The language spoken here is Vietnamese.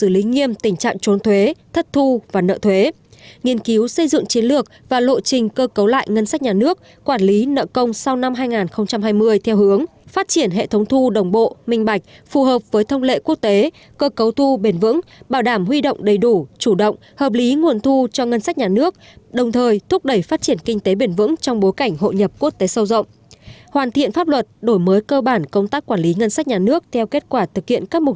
lý nghiêm tình trạng trốn thuế thất thu và nợ thuế nghiên cứu xây dựng chiến lược và lộ trình cơ cấu lại ngân sách nhà nước quản lý nợ công sau năm hai nghìn hai mươi theo hướng phát triển hệ thống thu đồng bộ minh bạch phù hợp với thông lệ quốc tế cơ cấu thu bền vững bảo đảm huy động đầy đủ chủ động hợp lý nguồn thu cho ngân sách nhà nước đồng thời thúc đẩy phát triển kinh tế bền vững trong bối cảnh hộ nhập quốc tế sâu rộng hoàn thiện pháp luật đổi mới cơ bản công tác quản lý ngân sách nhà nước theo kết qu